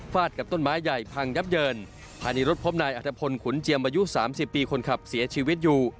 ฝาดกับต้นไม้ใหญ่พังยับเยินภารี่รถพร้อมนายอาทธพนธ์ขุนเจียมอายุ๓๐ปีคนขับเสียชีวิตอยู่